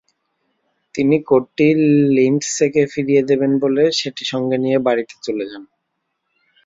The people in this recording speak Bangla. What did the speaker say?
তিনি কোটটি লিন্ডসেকে ফিরিয়ে দেবেন বলে সেটি সঙ্গে নিয়ে বাড়িতে চলে যান।